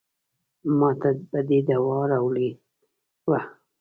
ماته به دې دوا راوړې وه.